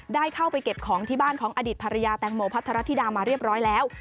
ได้เข้าไปเก็บของที่บ้านของอดีตภรรยาแตงโมพัทรธิดามาเรียบร้อยแล้ว